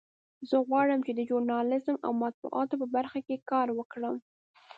زه غواړم چې د ژورنالیزم او مطبوعاتو په برخه کې کار وکړم